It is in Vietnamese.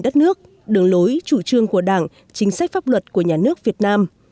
đất nước đường lối chủ trương của đảng chính sách pháp luật của nhà nước việt nam